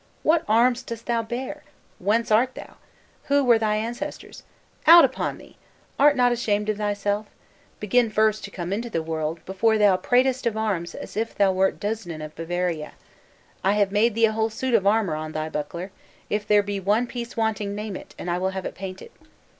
What arms dost thou bear? Whence art thou? Who were thy ancestors? Out upon thee! Art not ashamed of thyself? Begin first to come into the world before thou pratest of arms as if thou wert Dusnam of Bavaria. I have made thee a whole suit of armour on thy buckler; if there be one piece wanting, name it, and I will have it painted.'